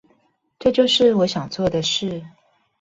這就是我想做的事